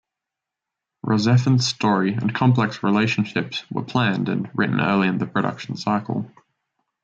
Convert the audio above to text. "RahXephon's" story and complex relationships were planned and written early in the production cycle.